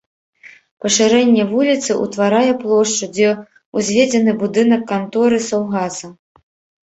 Пашырэнне вуліцы ўтварае плошчу, дзе ўзведзены будынак канторы саўгаса.